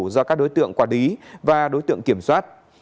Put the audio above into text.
do các đối tượng quả đí và đối tượng kiểm soát